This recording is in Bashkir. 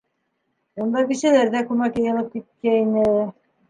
Унда бисәләр ҙә күмәк йыйылып киткәйне.